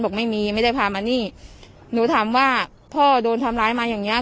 บอกไม่มีไม่ได้พามานี่หนูถามว่าพ่อโดนทำร้ายมาอย่างเงี้